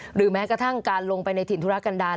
หรือแม้กระทั่งการลงไปในถิ่นธุรกันดาล